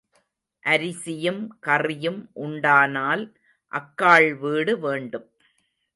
அரிசியும் கறியும் உண்டானால் அக்காள் வீடு வேண்டும்.